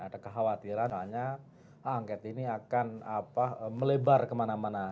adakah khawatiran misalnya anget ini akan melebar kemana mana